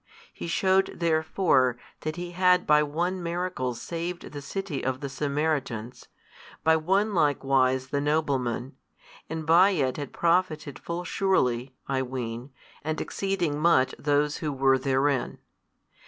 He shewed therefore that He had by one miracle saved the city of the Samaritans, by one likewise the nobleman, and by it had profited full surely (I ween) and exceeding much those who were therein.